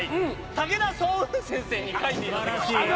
武田双雲先生に書いていただきました。